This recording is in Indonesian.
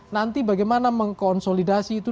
nanti bagaimana mengkonsolidasi itu